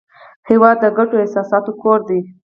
هېواد د ګډو احساساتو کور دی.